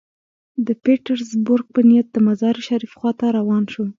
د پیټرزبورګ په نیت د مزار شریف خوا ته روان شو.